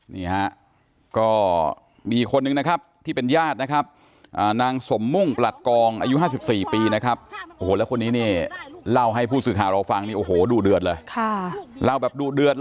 นี่ฮะก็มีคนนึงนะครับที่เป็นญาตินะครับน้างสมมุ่งปรัดกองอายุ๕๔ปีนะครับ